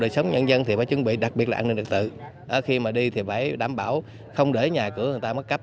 sống nhân dân thì phải chuẩn bị đặc biệt là an ninh đặc tự khi mà đi thì phải đảm bảo không để nhà cửa người ta mất cấp